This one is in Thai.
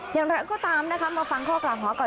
อย่างนั้นก็ตามมาฟังข้อกลางโถขอ